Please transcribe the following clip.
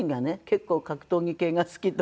結構格闘技系が好きとか。